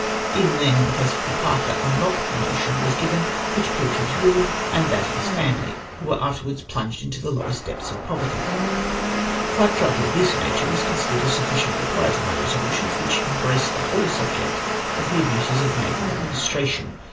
Even then, in the case of poor Parker, a mock promo tion Avas given Avhich proved his ruin and that of his * See vol. i. p. 150. SIR FRANCIS BURDETT. 293 fiimily, who "were afterwards plunged in the lowest depths of poverty. Claptrap of this nature was considered a sufficient reply to my resolutions, which embraced the whole subject of the abuses of naval administration.